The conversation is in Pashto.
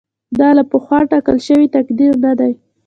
دا له پخوا ټاکل شوی تقدیر نه دی.